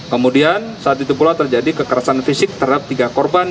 kemudian saat itu pula terjadi kekerasan fisik terhadap tiga korban